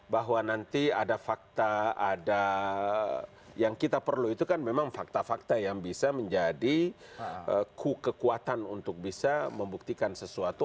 bahwa nanti ada fakta ada yang kita perlu itu kan memang fakta fakta yang bisa menjadi kekuatan untuk bisa membuktikan sesuatu